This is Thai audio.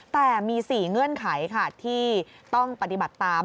แต่มี๔เงื่อนไขค่ะที่ต้องปฏิบัติตาม